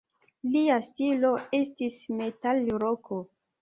Lia stilo estis metalroko.